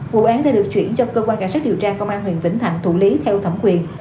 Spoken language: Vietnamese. vụ án đã được chuyển cho cơ quan cả sát điều tra công an huyện tỉnh thạnh thủ lý theo thẩm quyền